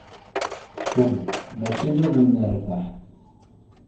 Kem, mačči d udem n rrbeḥ.